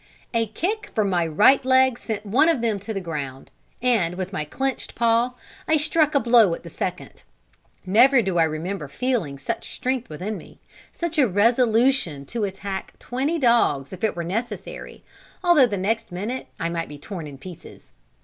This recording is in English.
A kick from my right leg sent one of them to the ground, and, with my clenched paw, I struck a blow at the second. Never do I remember feeling such strength within me, such a resolution to attack twenty dogs if it were necessary, although the next minute I might be torn in pieces.